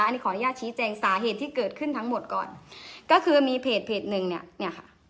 อันนี้ขออนุญาตชี้แจงสาเหตุที่เกิดขึ้นทั้งหมดก่อนก็คือมีเพจเพจหนึ่งเนี่ยเนี่ยค่ะ